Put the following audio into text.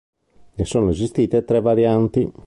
Ne sono esistite tre varianti.